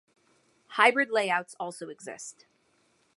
Hybrid layouts also exist.